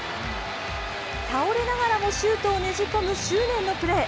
倒れながらもシュートをねじ込む執念のプレー。